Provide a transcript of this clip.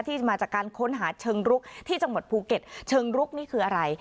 ที่จะมาจากการค้นหาเชิงรุกที่จังหวัดภูเก็ตเชิงลุกนี่คืออะไร